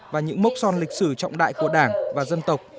và những mốc son lịch sử trọng đại của đảng và dân tộc